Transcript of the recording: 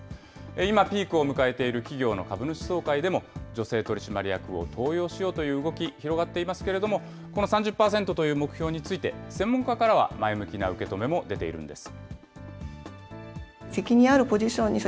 今、ピークを迎えている企業の株主総会でも、女性取締役を登用しようという動き、広がっていますけれども、この３０％という目標について、専門家からは前向きな受け止めも出ているんです。